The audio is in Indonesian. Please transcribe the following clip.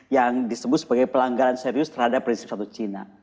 yang disebut sebagai pelanggaran serius terhadap prinsip satu cina